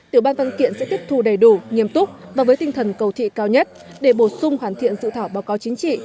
tiểu ban văn kiện sẽ tiếp thu đầy đủ nghiêm túc và với tinh thần cầu thị cao nhất để bổ sung hoàn thiện dự thảo báo cáo chính trị